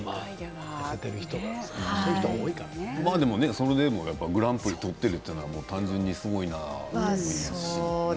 それでもやっぱりグランプリを取ったということは単純にすごいなと思いますよ。